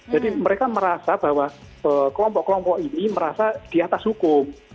jadi mereka merasa bahwa kelompok kelompok ini merasa di atas hukum